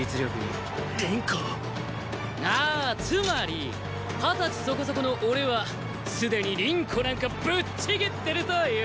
あーつまり二十歳そこそこの俺はすでに輪虎なんかぶっちぎってるという。